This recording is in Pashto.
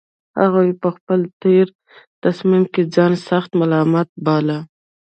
هغوی په خپل تېر تصميم کې ځان سخت ملامت باله